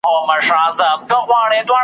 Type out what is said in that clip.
تر څو به جهاني لیکې ویده قام ته نظمونه .